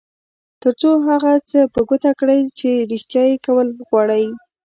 تر څو هغه څه په ګوته کړئ چې رېښتيا یې کول غواړئ.